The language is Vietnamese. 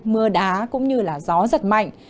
mưa đá cũng như là gió giật mạnh